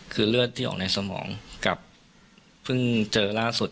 คือเลือดที่ออกในสมองกับเพิ่งเจอล่าสุด